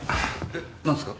え何すか？